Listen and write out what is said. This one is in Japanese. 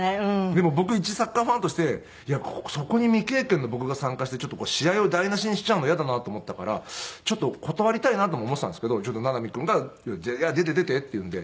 でも僕一サッカーファンとしてそこに未経験の僕が参加して試合を台なしにしちゃうの嫌だなと思ったからちょっと断りたいなとも思ってたんですけど名波君が「出て出て」って言うんで「